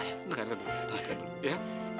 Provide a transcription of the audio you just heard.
sayang dengarkan dulu ya